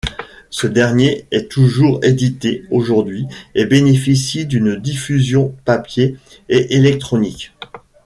Ce dernier est toujours édité aujourd'hui et bénéficie d'une diffusion papier et électronique.